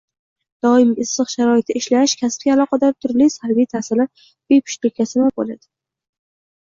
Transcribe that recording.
Doimiy issiq sharoitda ishlash, kasbga aloqador turli salbiy ta’sirlar bepushtlikka sabab bo‘ladi.